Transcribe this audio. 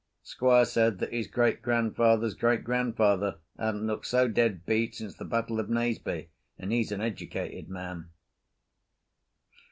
Squire said that his great grandfather's great grandfather hadn't looked so dead beat since the battle of Naseby, and he's an educated man.